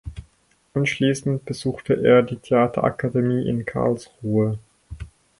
Anschließend besuchte er die Theaterakademie in Karlsruhe.